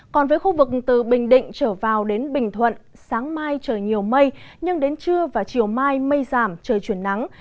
còn với khu vực từ bình định trở vào đến bình thuận sáng mai trời nhiều mây nhưng đến trưa và chiều mai mây giảm trời chuyển nắng